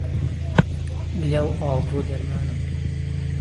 لێو ئاڵ تۆ دەرمانم کە